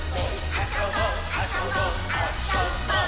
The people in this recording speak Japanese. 「あそぼあそぼあ・そ・ぼっ」